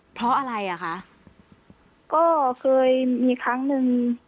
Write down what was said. เพราะอะไรอ่ะคะก็เคยมีครั้งหนึ่ง